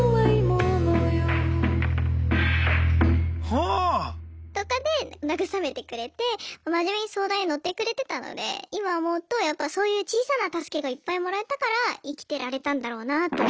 はぁ！とかで慰めてくれて真面目に相談に乗ってくれてたので今思うとやっぱそういう小さな助けがいっぱいもらえたから生きてられたんだろうなと。